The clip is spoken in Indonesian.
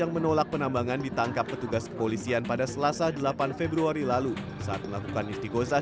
yang menolak penambangan ditangkap petugas kepolisian pada selasa delapan februari lalu saat melakukan istiqosah